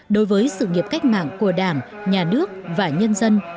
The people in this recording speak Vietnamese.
đối với sự nghiệp cách mạng của đảng nhà nước và nhân dân